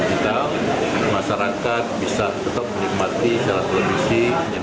jadi kita masyarakat bisa tetap menikmati siaran televisi